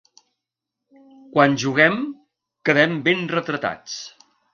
Quan juguem quedem ben retratats.